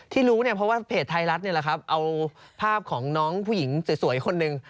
รู้เนี่ยเพราะว่าเพจไทยรัฐนี่แหละครับเอาภาพของน้องผู้หญิงสวยคนหนึ่ง